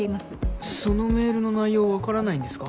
そのメールの内容分からないんですか？